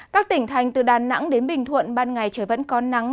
các tỉnh thành từ đà nẵng đến bình thuận ban ngày trời vẫn có nắng